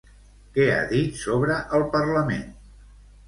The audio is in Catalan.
Què ha dit sobre el parlament?